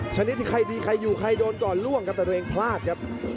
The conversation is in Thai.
ชนิดที่ใครดีใครอยู่ใครโดนก่อนล่วงครับแต่ตัวเองพลาดครับ